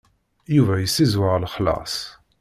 Yuba yessezwer lexlaṣ.